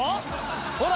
ほら。